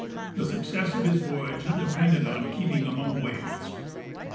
The success of his voyage depended on keeping among whales.